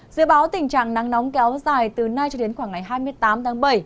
dự báo tình trạng nắng nóng kéo dài từ nay cho đến khoảng ngày hai mươi tám tháng bảy